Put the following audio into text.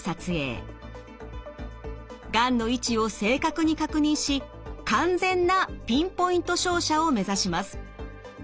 がんの位置を正確に確認し完全なピンポイント照射を目指します。